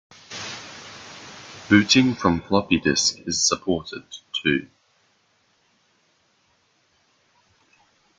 Booting from floppy disk is supported, too.